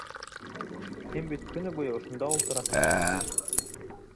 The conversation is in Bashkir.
Һин бит көнө буйы ошонда ултыраһың?